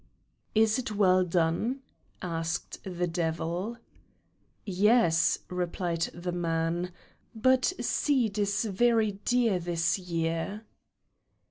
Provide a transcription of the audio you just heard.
"Is it well done?" asked the devil. "Yes," replied the man, "but seed is very dear this year."